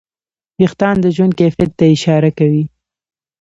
وېښتيان د ژوند کیفیت ته اشاره کوي.